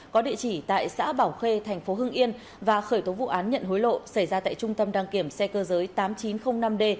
có địa chỉ tại xã bảo khê thành phố hưng yên và khởi tố vụ án nhận hối lộ xảy ra tại trung tâm đăng kiểm xe cơ giới tám nghìn chín trăm linh năm d